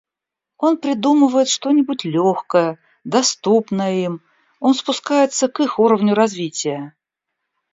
Он придумывает что-нибудь легкое, доступное им, он спускается к их уровню развития.